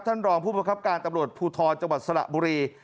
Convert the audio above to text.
ท่านรองผู้ประคับการตำรวจพูทรจสระบุรี